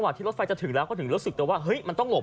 พอที่รถไฟจะถึงแล้วก็ถึงรู้สึกว่ามันต้องหลบอ่ะ